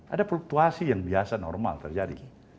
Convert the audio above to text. ada fluktuasi yang biasa normal terjadi